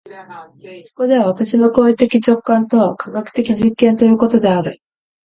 そこでは私の行為的直観とは科学的実験ということである。